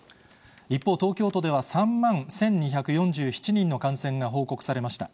一方、東京都では３万１２４７人の感染が報告されました。